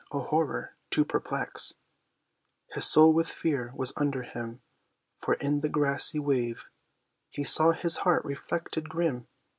a horror, to perplex His soul with fear, was under him; for, in the glassy wave, He saw his heart reflected grim!